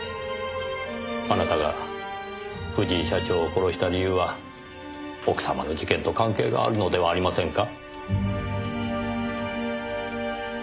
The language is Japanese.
あなたが藤井社長を殺した理由は奥様の事件と関係があるのではありませんか？